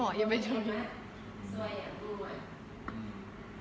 หมอยาไปชน